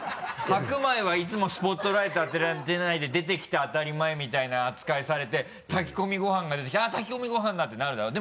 白米はいつもスポットライト当てられてないで出てきて当たり前みたいな扱いされて炊き込みご飯が出てきたら「炊き込みご飯だ」ってなるだろ？